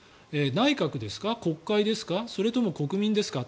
内閣ですか、国会ですかそれとも国民ですか。